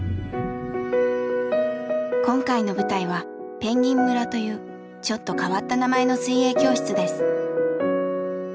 今回の舞台は「ぺんぎん村」というちょっと変わった名前の水泳教室です。